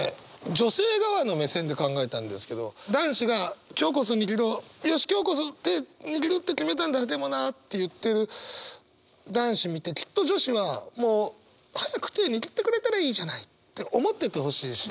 女性側の目線で考えたんですけど男子が「今日こそ握ろうよし今日こそ手握るって決めたんだでもな」って言ってる男子見てきっと女子はもう早く手握ってくれたらいいじゃないって思っててほしいし。